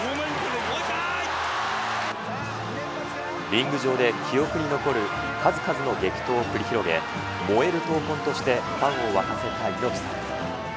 リング上で記憶に残る数々の激闘を繰り広げ、燃える闘魂としてファンを沸かせた猪木さん。